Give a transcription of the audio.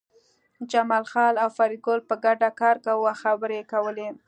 جمال خان او فریدګل په ګډه کار کاوه او خبرې یې کولې